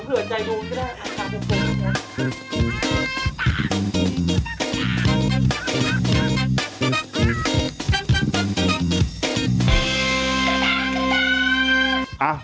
ขอบคุณคุณครับ